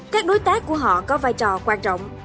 các đối tác của họ có vai trò quan trọng